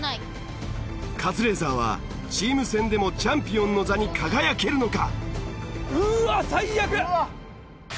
カズレーザーはチーム戦でもチャンピオンの座に輝けるのか！？